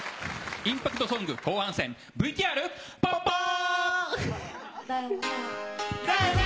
インパクトソング後半戦、ＶＴＲぽっぽー。